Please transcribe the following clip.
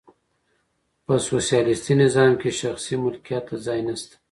په سوسیالیستي نظام کي شخصي ملکیت ته ځای نسته.